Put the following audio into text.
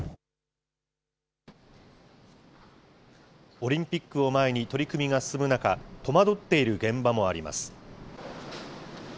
オリンピックを前に取り組みが進む中、戸惑っている現場もあります。